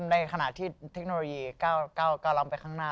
ในขณะที่เทคโนโลยี๙๙ล้ำไปข้างหน้า